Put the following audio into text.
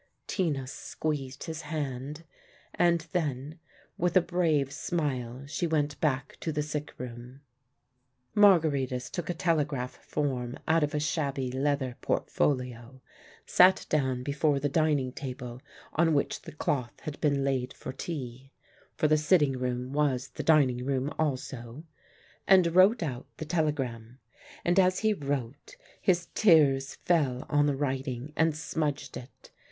Tina squeezed his hand, and then with a brave smile she went back to the sick room. Margaritis took a telegraph form out of a shabby leather portfolio, sat down before the dining table on which the cloth had been laid for tea (for the sitting room was the dining room also), and wrote out the telegram. And as he wrote his tears fell on the writing and smudged it.